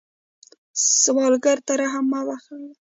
سوالګر ته رحم مه بخلئ